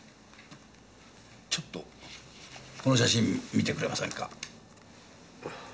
ちょっとこの写真見てくれませんか？